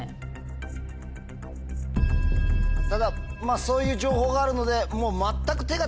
ただそういう情報があるので。